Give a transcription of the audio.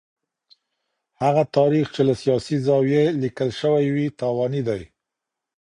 هغه تاريخ چي له سياسي زاويې ليکل شوی وي تاواني دی.